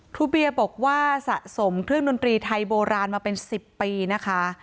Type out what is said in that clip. ครูเบียบอกว่าสะสมเครื่องดนตรีไทยโบราณมาเป็น๑๐ปีนะคะ